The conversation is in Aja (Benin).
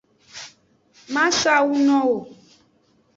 Ma sa awu no wo.